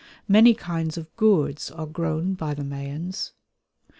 Many kinds of gourds are grown by the Mayans.